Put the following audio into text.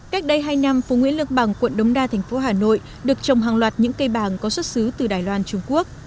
cách đây hai năm phú nguyễn lương bằng quận đống đa thành phố hà nội được trồng hàng loạt những cây bàng có xuất xứ từ đài loan trung quốc